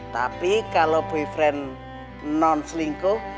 tapi kalau preferent non selingkuh